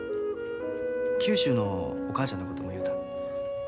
九州のお母ちゃんのことも言うた。